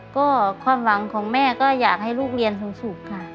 ก็ความหวังของแม่ก็อยากให้ลูกเรียนสูงค่ะ